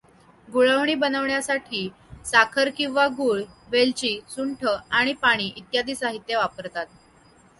गुळवणी बनवण्यासाठी साखर किंवा गूळ, वेलची, सुंठ आणि पाणी इत्यादी साहित्य वापरतात.